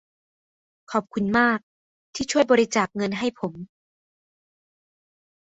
ขอบคุณมากที่ช่วยบริจาคเงินให้ผม